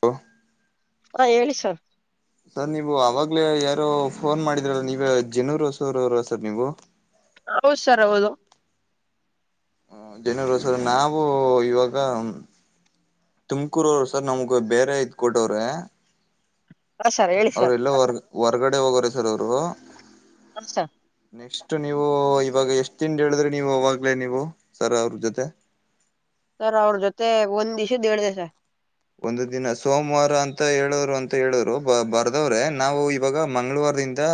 ಹೊ [unintelligible] ಹಾ ಹೇಳಿ ಸ ಸರ್ ನೀವು ಅವಾಗ್ಲೇ ಯಾರು ಫೋನ್ ಮಾಡಿದ್ರಲ್ಲ ನೀವ ಜನೂರು ಹೊಸೂರ ಅವರ ಸರ್ ನೀವು ಹೌದು ಸರ್ ಹೌದು ಹ ಜನರು ಸರ್ ನಾವವು ಇವಾಗ ತುಮಕೂರ ಅವರು ಸರ್ ನಮ್ಗ ಬೇರೆ ಇದ ಕೊಟವ್ರೆ ಹಾ ಸರ್ ಹೇಳಿ ಅವ್ರ ಸರ್ ಎಲ್ಲ ಹೊರ್ ಹೊರ್ಗಡೆ ಹೋಗೋರ ಸರ್ ಅವರು ರು ಹ ಸರ್ ನೆಕ್ಸ್ಟ್ ನೀವು ಇವಾಗ ಎಷ್ಟು ತಿಂಡ ಹೇಳಿದ್ರೆ ನೀವು ಅವಾಗ್ಲೇ ನೀವು ಸರ ಅವ್ರ ಜೊತೆ ಸರ್ ಅವ್ರ ಜೊತೆ ಒಂದ್ ದಸ ದೇಡ್ ದಸ ಒಂದು ದಿನ ಸೋಮವಾರ ಅಂತ ಹೇಳೋರು ಅಂತ ಹೇಳೋರು ಬ ಬರ್ದವ್ರೆ ನಾವು ಇವಾಗ ಮಂಗಳೂವಾರ್ಡಿದಿಂದ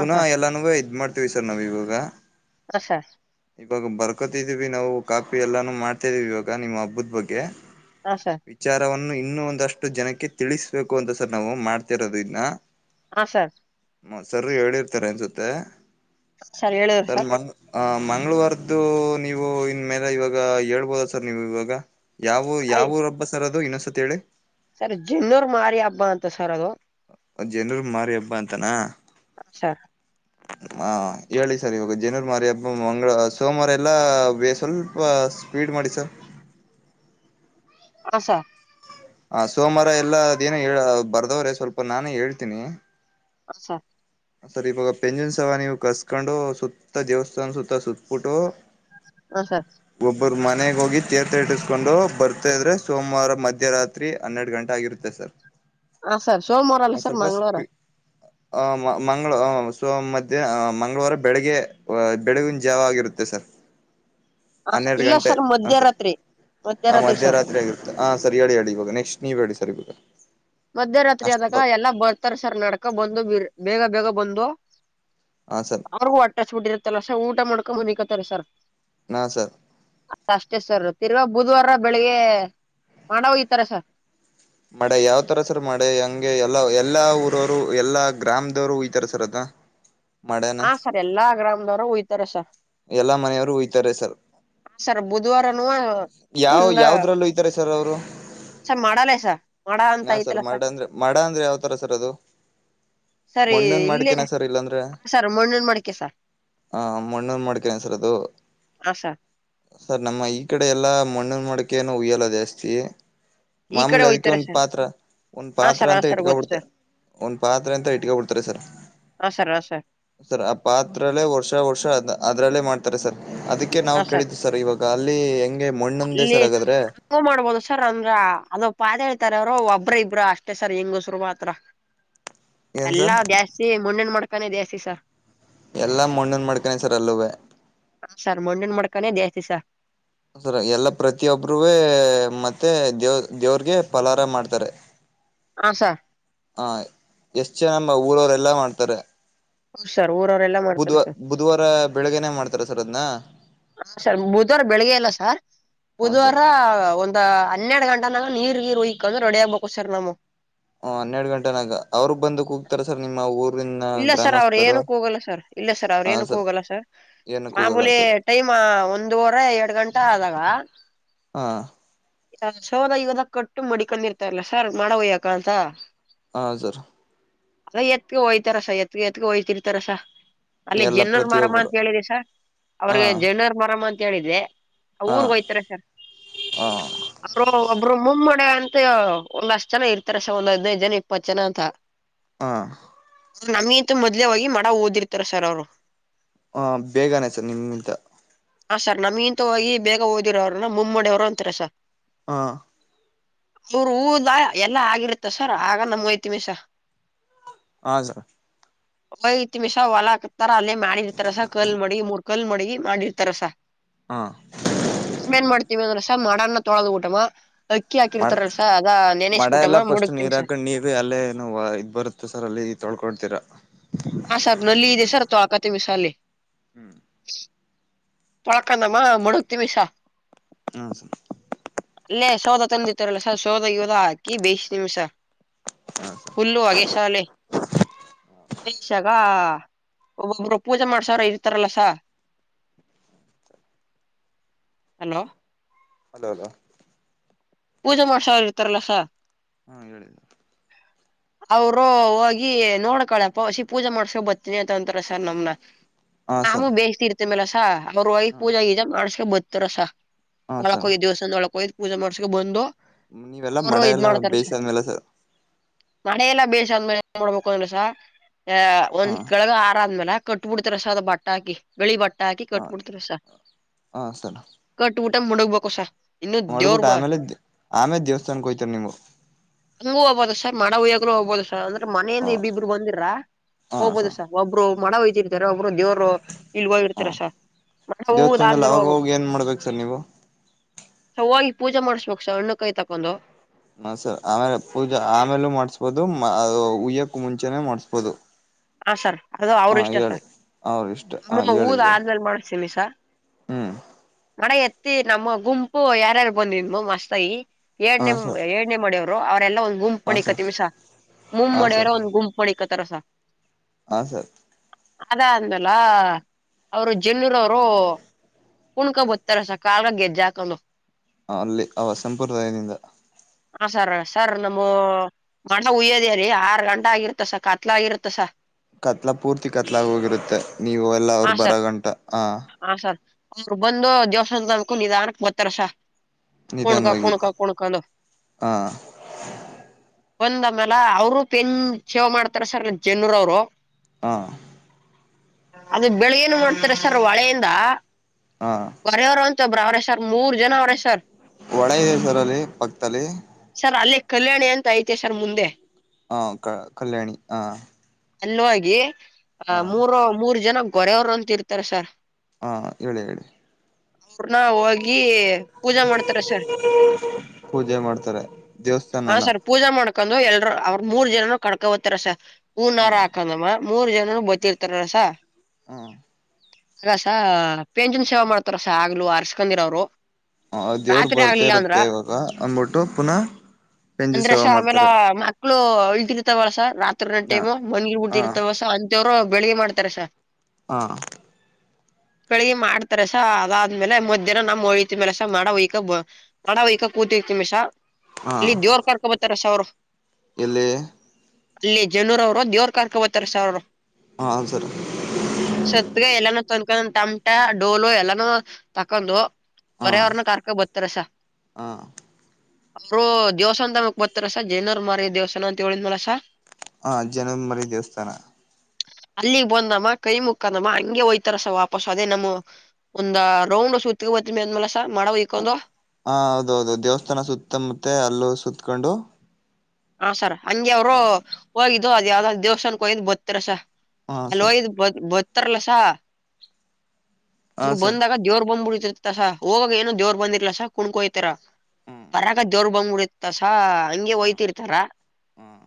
ಹ ಸರ್ ಎಲ್ಲಾನ ಇದ್ ಮಾಡ್ತವಿ ಸರ್ ನಾವ ಇವಾಗ ಆ ಸ ಇವಾಗ ಬರ್ಕೊತಿದೀವಿ ನಾವು ಕಾಪಿ ಎಲ್ಲಾನು ಮಾಡ್ತಾಿದೀವಿ ಇವಾಗ ನಿಮ್ಮ ಹಬ್ಬದ ಬಗ್ಗೆ ಹ ಸರ್ ವಿಚಾರವನ್ನು ಇನ್ನ ಒಂದಷ್ಟು ಜನಕ್ಕೆ ತಿಳಿಸ್ಬೇಕು ಅಂತ ಸರ್ ನಾವು ಮಾಡ್ತಿರೋದು ಇದನ್ನ ಹ ಸರ್ ಮ ಸರ ಹೇಳಿರ್ತಾರೆ ಅನ್ಸುತ್ತ ತ್ತೆ ಸರ್ ಹೇಳಿದ್ರು ಸರ್. ಮಂಗ್ಳುವಾರ್ದ್ದು ನೀವು ಇನ್ ಮೇಲೆ ಇವಾಗ ಹೇಳ್ಬೋದ ಸರ್ ನೀವ್ ಇವಾಗ. ಯಾವು ಆಯ್ ಯಾವುರ್ ಹಬ್ಬ ಸರ್ ದು ಇನ್ನೊನ್ಸತಿ ಹೇಳಿ. ಸರ್ ಜಿನ್ನೂರ್ ಮಾರಿ ಹಬ್ಬ ಅಂತ ಸರ್ ಅದು. ಅ ಜನ್ರುಗ್ ಮಾರಿ ಹಬ್ಬಾ ಅಂತಾನ. [unintelligible] ಹಾ ಹೇಳಿ ಸರ್ ಇವಾಗ ಜನೂರು ಮಾರಿ ಹಬ್ಬ ಮಂಗ್ ಸೋಮ್ವಾರ ಎಲ್ಲ ಬೇ ಸ್ವಲ್ಪ ಸ್ಪೀಡ್ ಮಾಡಿ ಸರ್. ಅ ಸ. ಹ ಸೋಮಾರ ಎಲ್ಲಾ ಅದೇನ ಹೇಳಾ ಬರ್ದವ್ರೆ ಸ್ವಲ್ಪ ನಾನೇ ಹೇಳ್ತೀನಿ. ಅಸ. ಸರ್ ಇವಾಗ ಪೆಂಜಿನ್ ಸವ ನೀವ್ ಕಸ್ಕಂಡು ಸುತ್ತ ದೇವಸ್ಥಾನ ಸುತ್ತ ಸುತ್ಬುಟು. ಹ ಸರ್. ಒಬ್ರು ಮನೆಗ್ ಹೋಗಿ ತೆರ್ಥ ಇಡುಸ್ಕೊಂಡು ಬರ್ತಾ ಇದ್ರೆ ಸೋಮ್ವಾರ ಮಧ್ಯರಾತ್ರಿ ಹನ್ನೆರ್ಡ್ ಗಂಟೆ ಆಗಿರುತ್ತೆ ಸರ್. ಹ ಸರ್ ಸೋಮ್ವಾರ ಅಲ್ಲ ಸರ್ ಮಂಗ್ಳವಾರ. ಆಮ್ ಮ ಮಂಗ್ಳ್ ಒ ಸೋಮ್ ಮಧ್ಯೆ ಮಂಗ್ಳವಾರ ಬೆಳಗ್ಗೆ ಬೆಳುಗಿನ್ ಜಾವ ಆಗಿರುತ್ತೆ ಸರ್. ಹ ಹನ್ನೆರ್ಡ್ ಇಲ್ಲ ಗಂಟೆ ಸರ್ ಹಾಂ ಸರ್ ಮಧ್ಯರಾತ್ರಿ ಹಾ ಮಧ್ಯರಾತ್ರಿ ಆಗಿರುತ್ತೆ ಹಾ ಸರ್ ಹೇಳಿ ಹೇಳಿ ಇವಾಗ ನೆಕ್ಸ್ಟ್ ನೀವು ಹೇಳಿ ಸರ್ ಇವಾಗ. ಮಧ್ಯರಾತ್ರಿ ಅಷ್ಟು ಬ ಆದಾಗ ಎಲ್ಲಾ ಬರ್ತಾರ ಸರ್ ನಡಕ ಬಂದು ಬಿರ್ ಬೇಗ ಬೇಗ ಬಂದು. ಹಾ ಸರ್ ಅವ್ರಗೂ ಹೊಟ್ಟೆ ಹಸ್ದ್ಬುಟ್ಟಿರುತ್ತಲ್ಲ ಸರ್ ಊಟ್ ಊಟ್ ಮಾಡ್ಕೊಂಡ್ ಮನಿಕತ್ತರೆ ಸರ್. ಹಾ ಸರ್ ಅದ್ ಅಷ್ಟೇ ಸರ್ ತಿರ್ಗ ಬುಧವಾರ ಬೆಳಿಗ್ಗೆ ಮಾಡ್ಹೋಗಿತರೆ ಸರ್. ಮಡೆ ಯಾವ್ತರ ಸರ್ ಮಡೆ ಹಂಗೆ ಎಲ್ಲ ಎಲ್ಲಾ ಊರೊರು ಎಲ್ಲಾ ಗ್ರಾಮದವ್ರು ಈತರ ಸರ್ ಅದ್ನ. ಹಾ ಸರ್ ಎಲ್ಲಾ ಗ್ರಾಮದವ್ರು ಉಯ್ತಾರೆ ಸರ್. ಎಲ್ಲಾ ಮನೆಯವರು ಒಯ್ತಾರೆ ಸರ್ ಹ ಸರ್ ಬುದ್ವಾರನು ಯಾವ ಗಂಡ ಯಾವ್ದ್ರಲ್ಲೂ ಒಯ್ತಾರೆ ಸರ್ ಮಾಡಲ್ಲ ಸ. ಯಾವ್ ಸರ್ ಮಾಡ ಅಂದ್ರೆ ಮಾಡ ಅಂದ್ರೆ ಯಾವ್ತರ ಸರ್ ಅದು ಸರಿ ಮಣ್ಣೂನ್ ಇಲ್ಲೇ ಮಾಡ್ಕೇನೆ ಸರ್ ಇಲ್ಲಾಂದ್ರೆ ಸರ್ ಮಣ್ಣಿನ ಮಡಿಕೆ ಸರ್ ಹ ಮಣ್ಣೂನ್ ಮಡ್ಕೇನೆ ಸರ್ ಅದು. ಹಾ ಸರ್ ಸರ್ ನಮ್ಮ ಈ ಕಡೆ ಎಲ್ಲಾ ಮಣ್ಣುನ್ ಮಡ್ಕೆನು ಉಯ್ಯಲ್ಲ ಜಾಸ್ತಿ. ಈ ಕಡೆ ಉಯ್ ಕೆ ಒಂದ್ ಪಾತ್ರ ಒಂದ್ ಪಾತ್ರ ಅಂತ ಗೊತ್ತು ಇಟ್ಕಾಬಿಡ್ತ ಸರ್ ಒಂದ್ ಪಾತ್ರೆ ಅಂತ ಇಟ್ಕಬಿಡ್ತಾರೆ ಸರ್ ಹಾ ಸರ್ ಹಾ ಸರ್ ಸರ್ ಆ ಪಾತ್ರಲ್ಲೇ ವರ್ಷ ವರ್ಷ ಅದ್ನ. ಅದ್ರಲ್ಲೇ ಮಾಡ್ತಾರೆ ಸರ್. ಅದಕ್ಕೆ ನಾವು ಹ ಸರ್ ಕೇಳಿದ್ವಿ ಇವಾಗ ಅಲ್ಲಿ ಹೆಂಗೆ ಮಣ್ಣೊಂದೇ ಅಲ್ಲಿ ಸರ್ ಹಾಗಾದ್ರೆ ಮಾಡ್ಬೋದು ಸರ್ ಅಂದ್ರ ಅದು ಪಾದ ಹೇಳಿದ್ ಇತಾರ್ ಒಬ್ರ ಇಬ್ರ ಅಷ್ಟೇ ಸರ್ ಹೆಂಗುಸ್ರು ಮಾತ್ರ. ಏನ್ ಸರ್ ಎಲ್ಲಾ ಜಾಸ್ತಿ ಮಣ್ಣುನ್ ಮಡ್ ತಳಕೆನೆ ಜಾಸ್ತಿ ಸರ್. ಎಲ್ಲಾ ಮಣ್ಣನ್ ಮಾಡ್ಕನೆ ಸರ್ ಅಲ್ಲುವೇ. ಮಣ್ಣನ್ ಮಾಡ್ಕಾನೇ ದೇಸ್ತಿಿಸ. ಸರ ಎಲ್ಲ ಪ್ರತಿಯೊಬ್ರೇ ಮತ್ತೆ ದೇವ ದೇವ್ರಗೆ ಪಲಾರ ಮಾಡ್ತಾರೆ. ಹ ಸರ್. ಹಾ ಎಷ್ಟ್ ಜನಮ್ಮ ಊರವರೆ ಎಲ್ಲಾ ಮಾಡ್ತಾರೆ. ಹ್ಮ ಸರ್ ಊರವರೆಲ್ಲಾ ಮಾಡ್ತಾರೆ ಬುಧ್ವ ಸರ್ ಬುಧವಾರ ಬೆಳಗ್ನೆೇ ಮಾಡ್ತಾರ. ಸರ್ ಅದ್ನ ಹ ಸರ್ ಬುಧವಾರ ಬೆಳಿಗ್ಗೆ ಎಲ್ಲ ಸರ್ ಹನ್ ಸರ್ ಬುಧವಾರ ಒಂದ ಹನ್ನೆರಡು ಗಂಟನಾಗ ನೀರ್ ಗ ಹಯಕೊಂಡ್ರ ರೆಡಿ ಆಗ್ಬೇಕು ಸರ್ ನಾಮು ಹ ಹನ್ನೆರಡು ಗಂಟೆನಾಗ ಅವರು ಬಂದಕ್ ಹೋಗ್ತಾರ ಸರ್ ನಿಮ್ಮ ಊರು ಇಲ್ಲ ಸರ್ ಅವ್ರ ಏನಕ್ ಕೂಗಲ್ಲ ಸರ್ ಇಲ್ಲ ಸರ್ ಅವ್ರ ಏನಕ್ಕ ಕೂಗಲ್ಲ ಸರ್ ಏನ ಕೂಗಲ್ಲ ಮಾಮೂಲಿ ಸರ್ ಟೈಮ್ ಒಂದುವರೆ ಎರಡ್ ಗಂಟಾ ಆದಾಗ ಹಾ ಸೌದ ಇವದ ಕಟ್ಟು ಮಡಿಕೊಂಡ ಇರ್ತಾರಲ್ಲ ಸರ್ ಮಾಡ ಹೋಯ್ಯಕ ಅಂತ ಹ ಸರ್ ಅ ಎತ್ಕ್ಕೆಯ ರಸ ಎತ್ ಎತ್ಗೆ ಹಯ್ತಿರ್ತಾರಸ ಅಲ್ಲಿ ಎಲ್ಲ ಜನರ್ ಮರಮ ಪ್ರತಿಯೊಬ್ಬರು ಅಂತ ಹೇಳಿದಿ ಸರ್ ಹಾ ಅವ್ರಿಗೆ ಜನರ್ ಮರಮ ಅಂತ ಕೇಳಿದ್ದೆ ಹಾ ಊರ್ಗ ಹೋಯ್ತಾರೆ ಸರ್ ಹಾ ಅವ ಒಬ್ರು ಮಮ್ಮ ಅಂತ ಒಂದ ಅಷ್ಟ ಜನ ಇರ್ತಾರಸ ಒಂದ್ ಹದ್ನೈದು ಜನ ಇಪ್ಪತ್ತು ಜನ ಅಂತ ಹಾ ಅವ ನಮ್ಗಂತ ಮೊದ್ಲೇ ಹೋಗಿ ಮಡ ಓದಿರ್ತಾರ ಸರ್ ಅವ್ರು ಹ ಬೇಗನೆ ಸರ್ ನಿಮಗಿಂತ ಹಾ ಸರ್ ನಮ್ಗಿಂತ ಹೊಗ ಓದಿರೋರು ಮುಮ್ಮಡಡಿ ಅವರು ಅಂತಾರೆ ಸರ್ ಹಾ ಅವರು ಊದ ಎಲ್ಲಾ ಆಗಿರುತ್ತ ಸರ್ ಆಗ ನಮ್ಯತಿ ಮಿಸ ಹಾ ಸಾರ್ ತಿಮಷಾವ ವಲ ಆ ತರ ಅಲ್ಲೇ ಮಾಡಿರ್ತಾರಸ ಕಲ್ ಮಾಡಿ ಮೂರ್ ಕಲ್ ಮೊಡಗಿ ಮಾಡಿರ್ತಾರ ಸ ಹಾ ನ್ ಮಾಡ್ತೀವಿ ಅಂದ್ರಷ್ಟ ಮಡನ್ನ ತೊಳದು ಊಟಮ ಅಕ್ಕಿ ಮ ಹಾಕಿರ್ತಾರಲ್ ಸ ಅದ ಮಡ ಎಲ್ಲ ನೆನೆಸ್ಬಿಟ್ಟಮ್ಮ ಫಸ್ಟ್ ಮುಡಕ್ತಿವಿ ನೀರ್ ಸ ಹಾಕೊಂಡ್ ನೀರು ಅಲ್ಲೇ ಏನು ಇದ್ ಬರುತ್ತ ಸರ್ ಅಲ್ಲಿ ತೊಳ್ಕೊಳ್ತೀರ ಹಾ ಸರ್ ನಲ್ಲಿ ಇದೆ ಸರ್ ತೋಳಕತಿವಿ ಸರ್ ಅಲ್ಲಿ ಪೊಳಕಂದಮ್ಮ ಮಾಡುಕ್ತಿವಿ ಸರ್ ಹಾ ಸರ್ ಅ ಸೋಧ ತಂದಿತ್ತಾರಲ್ಲ ಸ ಸೋದ ಯೋದ ಹಾಕಿ ಬೇಯಿಸ್ತೀವಿ ಸರ್ ಫುಲ್ಲು ಹೊಗೆಸರಲ್ಲಿ ಇದ್ದಾಗ ಒಬ್ಬೊಬ್ರು ಪೂಜೆ ಮಾಡ್ಸ್ರ ಇರ್ತಾರಲ್ಲಸ ಹಲೋ. Hello hello. ಪೂಜೆ ಮಾಡ್ಸೊರ್ ಇರ್ತಾರಲ್ಲ ಸರ್. ಹಾಂ ಹೇಳಿ. ಅವ್ರು ಹೋಗಿ ನೋಡ್ಕಳಪ್ಪ ಒಸಿ ಪೂಜೆ ಮಾಡ್ಸ್ಕೊ ಬತ್ತೀನಿ ಅಂತ ಅಂತಾರೆ ಸರ್ ನಮ್ನ. ಹಾ ನಾವೂ ಸರ್ ಬೇಯ್ಸ್ ತೀರೆ ತಿಮ್ಮರಸ ಮರುವೋಯ್ ಹಾ ಪೂಜಾಗಿಜಾ ಮಾಡ್ಸ್ ತ ಬತ್ತಾರ ಸ ಹಾ ಒಳಕ್ ಸರ್ ಹೋಗಿದ್ ದೇವಸ್ಥಾನದ್ ಒಳಕ್ ಹೋಗಿದ್ ಪೂಜೆ ಮಾಡ್ಸ್ ಕ್ಯೊ ಬಂದೋ ನೀವೆಲ್ಲಾ ಮಡೆ ಎಲ್ಲ ಬೇಯಿಸಾದ್ಮೇಲ ಸರ್? ಮಡೆ ಎಲ್ಲ ಬೇಯ್ಸಾದ್ಮೇಲೆ ಏನ್ ಮಾಡ್ಬೇಕು ಹೇಳು ಸಾರ್. ಏ ಹಾ ಒಂದ್ ಕಳಗ ಹಾರ ಆದ್ಮೇಲ ಕಟ್ಬಿಡ್ತಾರ ಸಾದ ಬಟ್ಟ ಹಾಕಿ ಬಿಳಿ ಬಟ್ ಟೆ ಹಾಕಿ ಹಾ ಕಟ್ಬಿಡ್ತಾರೆ ಸರ್ ಹಾ ಕಟ್ಬುಟ್ ಟೆ ಮುಣುಗ್ಬೇಕು ಸರ್ ಹೊಡುದ್ಬುಟ್ ಆಮೇಲೆ ದೇ ಆಮೇಲೆ ದೇವಸ್ಥಾನಕ್ ಹೋಯ್ತೀರ ನೀವು? ನಾವ್ ಏಕನ ಹೋಗ್ಬೋದ ಸರ್ ಅಂದ್ರೆ ಮನೆಯಿಂದ ಹ ಇಬ್ಬಿಬ್ರು ಬಂದಿರ ಹೋಗಬೋದು ಸರ್ ಒಬ್ರು ಹೋ ಮಣ [unintelligible] ಒಬ್ರು ದೇವ್ರ ಅವ್ರು ಇಲ್ಗ್ ಹಾ ಹೋಗಿರ್ತಾರೆ ಸರ್ ಮನೆಗ್ ಹೂಗುದ್ ದೇವಸ್ಥಾನದಲ್ಲಿ ಆದ್ಮೇಲ್ ಅವಾಗ ಹೋಗ್ಬೇಕು. ಹೋಗಿ ಏನ್ ಮಾಡ್ಬೇಕು ಸರ್ ನೀವು ಸ ಹೋಲ್ ಪೂಜೆ ಮಾಡ್ಸ್ಬೇಕು ಸ ಹಣ್ಣು ಕಾಯ್ ತಕೊಂಡು. ಹಾಂ ಸರ್ ಆಮೇಲೆ ಪೂಜೆ ಆಮೇಲೂ ಮಾಡಸ್ಬೋದು ಮ ಅ ಉಯ್ಯಕೂ ಮುಂಚೆನೇ ಮಾಡಸ್ಬೋದು. ಹಾಂ ಸರ್ ಅದು ಅವ್ರಿಷ್ಟ ಸರ್. ಅವ್ರ ಇಷ್ಟ ಹಾ ನಮ್ಮ ಹೇಳಿ ಊರ್ ಸರ್ ಆದ್ಮೇಲೆ ಮಾಡ್ಸ್ ತೀನಿ ಸರ್. ಹ್ಮ್ ಮಡಯೆತ್ತಿ ನಮ್ಮ ಗುಂಪು ಯಾರ್ಯಾರ್ ಬಂದಿದ್ವು ಮಸ್ತಾಗಿ. ಏಡ್ ಹಾ ನಿಮ್ ಸರ್ ಏಡ್ನೆ ಮಾಡಿಯವ್ರ್ ಬ್ರೋ ಅ ನಾವೆಲ್ಲಾ ಒಂದ್ ಗುಂಪ್ ಮಾಡಿಕತಿವ್ ಸರ್ ಮೂಮ್ ಹಾ ಮಾಡವ್ರ ಒಂದ್ ಗುಂಪ್ ಮಾಡಿಕತ್ ತರ ಸರ್ ಹಾಂ ಸರ್. ಅದ ಅಂದಲ್ಲ ಅವರು ಜೆನ್ನೂರವ್ರು ಕುಣಕೊ ಬತ್ತಾರಸ ಕಾಲಗ್ ಗೆಜ್ಜೆ ಹಾಕೊಂಡು. ಆ ಅಲ್ಲಿ ಅವ ಸಂಪ್ರದಾಯದಿಂದ ಹಾಂ ಸರ, ಸರ್ ನಮ್ಮ ಮಣ ಹಯ್ಯೋದೇರಿ ಆರು ಗಂಟ ಆಗಿರುತ್ತೆ ಸರ್, ಕತ್ಲಾಗಿರುತ್ತೆ ಸರ್. ಕತ್ಲ ಪೂರ್ತಿ ಕತ್ಲಾಗೋಗಿರುತ್ತೆ ನೀವು ಎಲ್ಲ ಅವ್ರ್ ಬರೋ ಗಂಟ ಆ. ಅವರು ಬಂದು ದೇವಸ್ಥಾನ್ ದೊಳಕ್ಕೂ ನಿಧಾನಕ್ ಬತ್ತಾರೆ ಸರ್. ಕುಣ ನಿಧಾನವಾಗಿ ಕಕುಣ್ ಕಕುಣ್ ಕಾಲು. ಹಾ ಒಂದ್ಆಮೇಲ ಅವರು ಪೆನ್ ಸೇವ್ ಮಾಡ್ತಾರೆ ಸರ್ ಜನರು ಅವ್ರು ಪ್ರೋ ಹಾ ಅದೆ ಬೆಳಿಗ್ಗೆನು ಮಾಡ್ತಾರೆ ಸರ್ ಹೊಳೆಯಿಂದ ಹಾ ಹೊರ ಹೊರೋನ್ ಇತ್ತೊಬ್ರ್ ಅವ್ರೇ ಸರ್ ಮೂರ್ ಜನ ಅವ್ರೇ ಸರ್. ಹೊಳೆ ಏನ್ ಸರ್ ಅಲ್ಲಿ ಪಕ್ತಲ್ಲಿ ಸರ್ ಅಲ್ಲೇ ಕಲ್ಯಾಣಿ ಅಂತ ಐತೆ ಸರ್ ಮುಂದೆ ಹಾ ಕ ಕಲ್ಯಾಣಿ ಆ ಅಲ್ಲೊಗಿ ಆ ಮೂರು ಮೂರು ಜನ ಗೊರೆಯವರು ಅಂತ್ ಇರ್ತಾರೆ ಸಾರ್. ಹಾ ಹೇಳಿ ಹೇಳಿ ಅವ್ರನ್ನ ಹೋಗಿ ಪೂಜೆ ಮಾಡ್ತಾರೆ ಸರ್. ಪೂಜೆ ಮಾಡ್ತಾರೆ. ಹಾ ದೇವಸ್ಥಾನನ ಸರ್ ಪೂಜೆ ಮಾಡು ಕಾಕೊಂಡು ಎಲ್ರು ಅವ್ರು ಮೂರ್ ಜನನು ಕಡ್ಕೊಂಬತ್ತಾರೆ ಸರ್ ಹೂ ಹಾ ನಾರ ಹಾಕಂದಮ್ಮ ಮೂರ್ ಜನರು ಬತಿರ್ತಾರಲ ಸಾ ಹು ಹಗಸ ಪೇಂಜನ್ ಸೇವಾ ಮಾಡ್ತಾರಸ ಆಗ್ಲು ಅರ್ಸ್ಕೊಂಡಿರ ಅವ್ರು. ಹ ಅ ದೇವ್ರ ಬರ್ತ ಇರುತ್ತೆ ಇವಾಗ ಅಂದಬಿಟ್ಟು ಪುನಃ ಪೆಂಜಿ ಸೇವ ಅಂದ್ರಸ ಆಮೆಲ ಮಾಡ್ತಾರೆ ಮಕ್ಳು ಅಳ್ತಿರ್ತಾವಲ್ಲ ಸರ್ ರಾತ್ ತ್ರಿ ಒನ್ನೊಂದ್ ಹಾ ಟೈಮ್ ಮನ್ಗಿರ್ ಹಾ ಬಿಡ್ತಿರ್ತವಸ ಅಂತವ್ರು ಬೆಳಿಗ್ ಮಾಡ್ತಾರೆ ಸಾ ಹಾ ಬೇಳಗಿ ಮಾಡ್ತಾರಸ ಅದಾದ್ಮೇಲೆ ಮಧ್ಯಾಹ್ನ ನಮ್ ಹೊಳತಿ ಮ್ಯಲೆಸ ಮಾಡವಕ ಮಾಡಯಕ ಕೂತಿರ್ತಿಮಿಸ. ಹಾ ಅಲ್ಲಿ ದೇವ್ರ್ ಕರ್ಕೊ ಬತ್ತಾರೆಸ ಅವ್ರು. ಎಲ್ಲಿ ಅಲ್ಲಿ ಜನರ ಅವರು ದೆವ್ರ್ ಕರ್ಕೊ ಬತ್ತಾರೆ ಸಾರ್ ಅವ್ರು. ಹ ಹಾನ್ ಸರ್ ತನ್ಕ ನಮ್ ತಮಟಾ ಡೋಲು ಎಲ್ಲಾನೂ ತಕೊಂದು ಹಾ ಹೊರೆ ಅವ್ರುನ್ನು ಕರ್ಕ ಬತ್ತಾರೆಸ ಹ ಅವರು ದೇವಸ್ಥಾನ ತಮಕ್ ಬರ್ತಾರ ಸ ಜೈನವರು ಮಾರಿ ದೇವಸ್ಥಾನ ಅಂತ ಹೇಳಿದ್ನಲ ಸಾರ್. ಹ ಜನಮ್ ಮರಿ ದೇವಸ್ಥಾನ ಅಲ್ಲಿಗ್ ಬಂದಮ್ಮ ಕೈ ಮುಕ್ಕಂದಮ್ಮ ಹಂಗೆ ಒಯ್ತಾರಸ ವಾಪಸ್ಸ ಅದೇ ನಮ್ಮ ಒಂದ ರೌಂಡ್ ಸುತ್ಕ ಬತ್ತಿನಿ ಅಂದ್ಮೇಲೆ ಸ ಮಾಡ ಹಯ್ಕೊಂಡು ಹಾ ಹೌದ್ ಹೌದು ದೇವಸ್ಥಾನ ಸುತ್ತ ಮತ್ತೆ ಅಲ್ಲೂ ಸತ್ಕೊಂಡು ಹ ಸರ ಹಂಗೆ ಅವ್ರು ಹೋಗಿದ್ ಅದ್ ಯಾವ್ದೊ ದೇವ್ಸಾನಕ್ ಕೊಯ್ದ್ ಬತ್ತರ ಸ ಹಾ ಸರ್ ಅಲ್ಲೋಯಿದ್ ಬದ್ ಉತ್ತರ್ಲಸ ಹಾ ಅವ್ರ್ ಸರ್ ಬಂದಗ ದೇವ್ರ್ ಬಂದ್ಬಿ [unintelligible] ಹೋಗಾಗ ಏನೋ ದೇವರ ಬಂದಿರ್ಲಿಲ್ಲ ಸರ್ ಕುಣಕೊಯ್ತಾರ ಹ್ಮ್ ಬರಾಗ ಜೋರ್ ಬಂದ್ಬಿಡತ್ತ ಸರ್ ಹಂಗೆ ಹ್ಮ್ ಹೊಯ್ತರ್ ತರ ಹ್ಮ್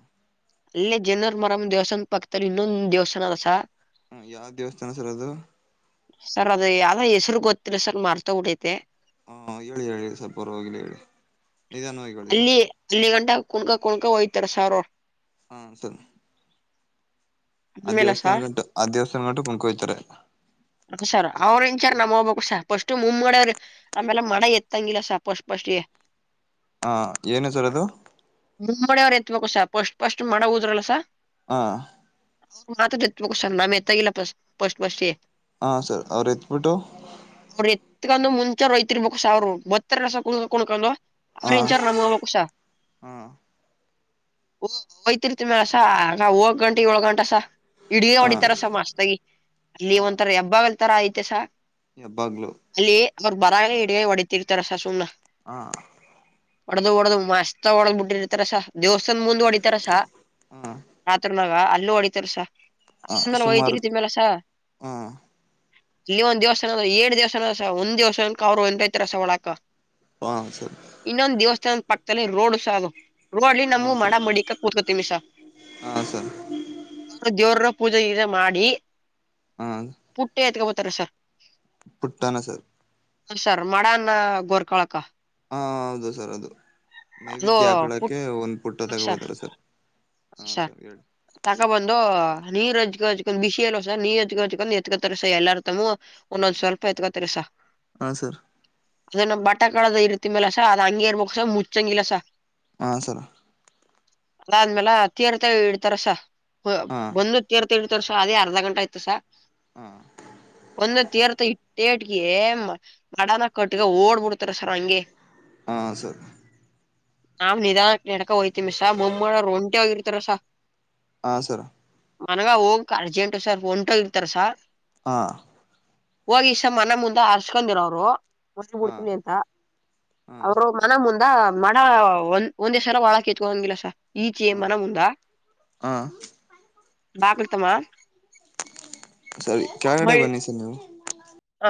ಇಲ್ಲೆ ಜನ್ಯೂರ್ಮಾರಮ್ಮ ದೇವ್ಸ್ಥಾನ್ ಪಕ್ತದಲ್ ಇನ್ನೊಂದ್ ದೇವ್ಸ್ಥಾನ ಅದ ಸರ್ ಹ ಯಾವ್ ದೇವ್ಸ್ಥಾನ ಸರ್ ಅದು? ಸರ್ ಅದ ಯಾವ್ದೋ ಹೆಸರು ಗೊತ್ತಿಲ್ಲ ಸರ್ ಮರೆತೋಗ್ಬಿಟ್ಟೈತೆ ಹಾ ಹೇಳಿ ಹೇಳಿ ಸರ್ ಪರ್ವಾಗಿಲ್ಲ ಹೇಳಿ ನಿಧಾನವಾಗಿ ಹೇಳಿ ಅಲ್ಲಿ ಸರ್ ಅಲ್ಲಿಗಂಟ ಕುನ್ಕೋ ಕುನ್ಕೋ ಹೊಯ್ತಾರೆ ಸರ್ ಅವ್ರು ಹಾ ಸರ್ ಆ ಆಮೇಲೆ ಸ ದೇವ್ಸ್ಥಾನ್ ಗಂಟ ಆ ದೇವಸ್ಥಾನ್ ಗಂಟ ಕುಣ್ಕೊ ಹೊಯ್ತಾರೆ ಸರ್ ಅವ್ರು ಇನ್ಚಾರ್ ನಮ್ ಒಬಕ್ ಫಸ್ಟು ಮುಮ್ ಮಾಡರೆ ಆಮೇಲೆ ಮಡ ಎತ್ತಂಗಿಲ್ಲ ಸರ್ ಪಸ್ಟ್ ಫಸ್ಟ್ ಗೆ. ಹಾ ಏನು ಸರ್ ಅದು? [unintelligible] ಎತ್ಬೇಕು ಸರ್ ಫಸ್ಟ್ ಫಸ್ಟ್ ಗ ಮಡ ಉಗದ್ರಲ್ಲ ಸರ್. ಹ. ಅವ್ರ್ ಮಾತ್ರ ಎತ್ಬೇಕು ಸರ್ ನಾವ್ ಎತ್ತಂಗಿಲ್ಲ ಫಸ್ಟ್ ಫಸ್ಟ್ ಫಸ್ಟ್ ಗೆ. ಹಾ ಸರ್ ಅವ್ರ್ ಎತ್ ಬಿಟ್ಟು ಅವ್ರು ಎತ್ಕೊಂಡು ಮುಂಚೆ ಅವ್ರ್ ಹೋಯ್ತಿ ರ್ಬೇಕು ಸರ್ ಬರ್ತಾರಲ್ಲ ಸರ್ ಕುನ್ ಕುನಕೊಂಡು ಹ [unintelligible] ಸರ್ ಹ ಓ ಹೋಯ್ತಿರ್ತಿ ಅಲ್ಲ ಸರ್ ನಾವ್ ಹೋಗ ಗಂಟ ಏಲಗಂಟ ಸರ್ [unintelligible] ಹ ಹೊಡಿತಾರ ಸರ್ ಮಸ್ತಾಗಿ ಇಲ್ಲಿ ಹ ಒಂದ್ ಹಬ್ಬ ಒಂತರ ಐತೆ ಸರ್ ಹೆಬ್ಬಾಗ್ಲು ಅಲ್ಲಿ ಅವ್ರ್ ಬರಗೆ ಇದ್ಗಾಯಿ ಇಡ್ತಾರ ಸರ್ ಸುಮ್ನ ಹಾ ಒಡ್ದು ಒದ್ದು ಮಸ್ತ್ ಆಗ್ ಒಡ್ದ ಬಿಟ್ಟಿರ್ತಾರ ಸರ್ ದೇವ್ಸ್ಥಾನ್ ಮುಂದ್ ಹೊಡಿತಾರ ಸರ್ ರಾತ್ರಿನಾಗ ಅಲ್ ಅಲ್ಲಿ ಹೊಡಿತಾರೆ ಸರ್. ಹ ಸುಮಾರು [unintelligible] ಸರ್ ಹ [unintelligible] ಇಲ್ಲಿ ಒಂದ್ ದೇವಸ್ಥಾನ ಎಟ್ ದೇವಸ್ಥಾನ ಅದ ಸರ್ ಒಂದ ದೇವಸ್ಥಾನಕ್ಕೂ ಅವ್ರರು [unintelligible] ತರಸ ಒಳಕ ಹ ಸರ್ ಇನ್ನೊಂದು ದೇವಸ್ಥಾನ ಪಕ್ಕದಲ್ಲಿ ರೋಡ ಸಾ ಅದು ನೋಡ್ಲಿ ಹಾ ನಮ್ಮ ಮಡ ಸರ್ ಮಡಿಕೊಂಡ ಕೂತ್ಕೋತೀನಿ ಸರ್ ಹಾ ಸರ್ ಅವ್ರ ದೇವ್ರು ಪೂಜೆ ಈರ ಮಾಡಿ ಪುಟ್ಟೆಯತಗೊಬಾತ ತರಸಾ ಪುಟ್ಟಾನ ಸರ್ ಹ ಸರ್ ಮಾಡನ್ ಗೋರ್ಕೊಳಕ್ಕ ಹಾ ಹಾ ಹೌದು ಸರ್ ಅದು ಅದು ನೈವೇದ್ಯ ಪುಟ್ ಆಕಳಕ್ಕೆೆ ಒಂದ್ ಪುಟ್ಟ ತಗೋಬೋದಾರ ಸರ್ ಹಾ ಸರ್ ಹೇಳಿ ನೀರ್್ಜ್ಜಕ ಹಜ್ಕೊಂಡ್ ಬಿಸಿ ಎಲ್ಸ ನೀರ್ಜ್ಗ ಹಚ್್ಕೊಂಡ್ ಎತ್ಕೋತಾರಸ ಎಲ್ಲಾರ ತಮ್ಮೂ ಒಂದೊಂದ್ ಸ್ವಲ್ಪ ಎತ್ಕತ್ತಾರಸ ಹಾ ಸರ್ ಅದನ್ನ ಬಟಾ ಕಳದ ಇರ್ತಿ ಮ್ಯಲ ಸ ಅದ ಹಂಗಗೆ ಇರ್ಬಕ್ ಸ ಮುಚ್ಚ ಚಂಗಿಲ್ಲಸ ಹಾ ಸರ್ ಅದಾದ್ಮೇಲೆ ತೀರ್ತ ಇಡ್ತಾರಸ ಹ ಹಾ ಬಂದು ತೀರ್ಥ ತೀರ್ಥರಸ ಅದೇ ಅರ್ಧ ಗಂಟ ಆಯತ ಸರ ಹಾ ಒಂದುತೆರತ ತೇಟ್ಗೆ ಮಡನ ಕಟ್ಗ ಓಡ್ಬಿಡ್ತಾರ ಸರ್ ಹಂಗೆ ಹಾ ಸರ್ ನಾ ನಿಧಾನಕ್ಕೆ ನೆಡಕ ಹೋಯ್ತೀವಿ ಮೊಮ್ಮಳ ರ ಒಂಟಿ ಹೋಗಿರ್ತಾರಸ ಹಾ ಸರ ಮನ್ಗ ಹೋಗಕ್ ಅರ್ಜೆಂಟ ಸರ್ ಒಂಟ ಇರ್ತಾರ ಸಾರ್ ಹಾ ಹೋಗಿ ಈಸ ಮನ ಮುಂದೆ ಹರ್ಸ್ಕೊಂಡಿರ ಅವ್ರು ಪಸ್ಟ್ ಹಾ ಬಿಡ್ತೀನಿ ಅಂತ ಹಾ ಅವರು ಮನ ಮುಂದ ಮ ಮಾಡ ಒಂದ್ ಒಂದೇ ಸಲ ಬಾಳಕ ಇಟ್ಟಗೊಳಂಗಿಲ ಸರ ಈಕೇ ಹಾ ಮನ ಉಂದಾ ಹಾ ಬಾಕ್ಲತಮ್ಮ ಸರಿ ಕೆಳಗಡೆ ಮಳ್ ಬನ್ನಿ ಸರ್ ನೀವು ಆ